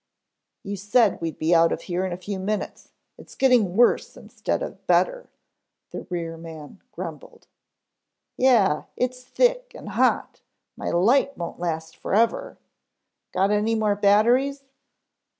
"You said we'd be out of here in a few minutes. It's getting worse instead of better," the rear man grumbled. "Yeh, it's thick and hot. My light won't last forever. Got any more batteries?"